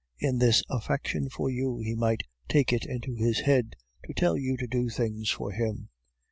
In his affection for you he might take it into his head to tell you to do things for him.